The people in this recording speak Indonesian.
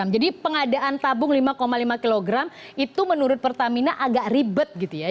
jadi pengadaan tabung lima lima kg itu menurut pertamina agak ribet